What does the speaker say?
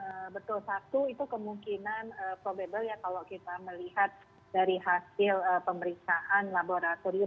ya betul satu itu kemungkinan probable ya kalau kita melihat dari hasil pemeriksaan laboratorium